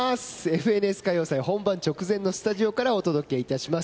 「ＦＮＳ歌謡祭」本番直前のスタジオからお届けいたします。